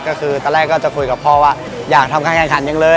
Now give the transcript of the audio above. ก็คือตอนแรกก็จะคุยกับพ่อว่าอยากทำการแข่งขันยังเลย